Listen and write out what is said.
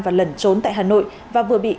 và lần trốn tại hà nội và vừa bị